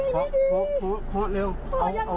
พ่อแม่รีบขับรถติดหัวใจหยุดเต้น